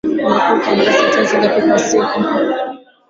Umekuwa ukiandika sentensi ngapi kwa siku